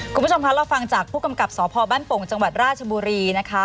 คุณผู้ชมคะเราฟังจากผู้กำกับสพบ้านโป่งจังหวัดราชบุรีนะคะ